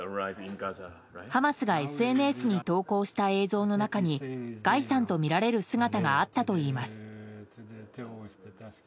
ハマスがＳＮＳに投稿した映像の中にガイさんとみられる姿があったといいます。